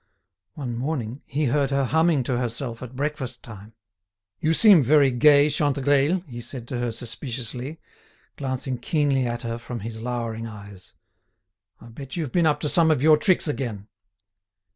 One morning he heard her humming to herself at breakfast time. "You seem very gay, Chantegreil!" he said to her suspiciously, glancing keenly at her from his lowering eyes. "I bet you've been up to some of your tricks again!"